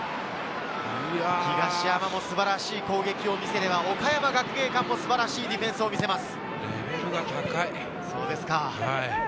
東山も素晴らしい攻撃を見せれば、岡山学芸館も素晴らしいディフェンスを見せます。